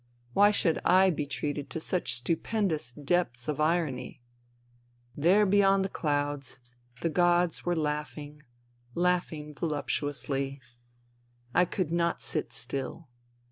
Why should I be treated to such stupendous depths of irony ? There beyond the clouds the gods were laughing, laughing voluptuously. I could not sit still.